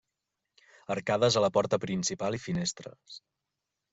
Arcades a la porta principal i finestres.